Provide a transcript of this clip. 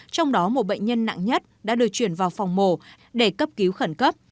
trong đó một bệnh nhân nặng nhất đã được chuyển vào phòng mổ để cấp cứu khẩn cấp